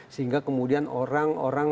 sehingga kemudian orang orang